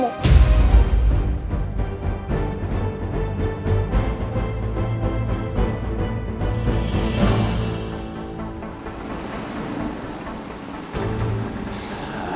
mbak gak segen segen untuk laporin kamu